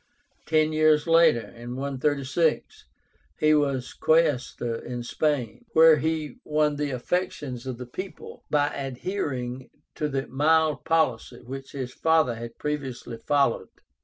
Ten years later (136) he was Quaestor in Spain, where he won the affections of the people by adhering to the mild policy which his father had previously followed.